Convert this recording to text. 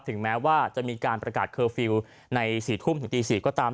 ถึงแม้ว่าจะมีการประกาศเคอร์ฟิลล์ใน๔ทุ่มถึงตี๔ก็ตาม